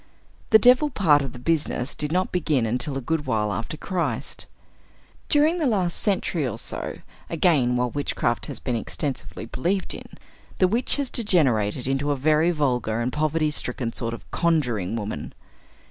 The devil part of the business did not begin until a good while after Christ. During the last century or so, again, while witchcraft has been extensively believed in, the witch has degenerated into a very vulgar and poverty stricken sort of conjuring woman.